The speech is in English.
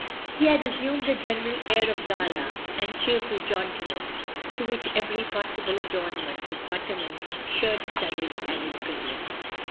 He had assumed a general air of gala and cheerful jauntiness to which every possible adornment of button and shirt stud added brilliance.